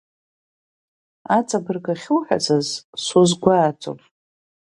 Аҵабырг ахьуҳәаз азы сузгәааӡом.